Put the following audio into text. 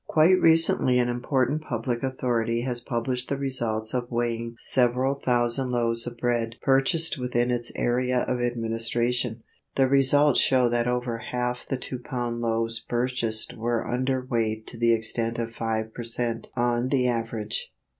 Quite recently an important public authority has published the results of weighing several thousand loaves of bread purchased within its area of administration. The results show that over half the two pound loaves purchased were under weight to the extent of five per cent. on the average.